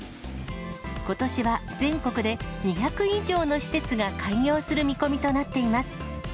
ことしは全国で２００以上の施設が開業する見込みとなっています。